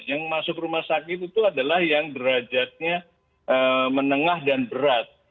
yang masuk rumah sakit itu adalah yang derajatnya menengah dan berat